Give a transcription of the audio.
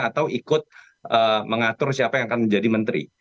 atau ikut mengatur siapa yang akan menjadi menteri